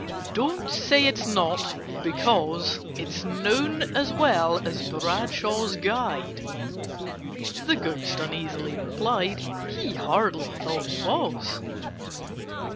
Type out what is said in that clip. "Don't say it's not, because It's known as well as Bradshaw's Guide!" (The Ghost uneasily replied He hardly thought it was).